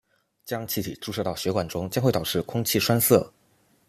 将气体注射到血管中将会导致空气栓塞。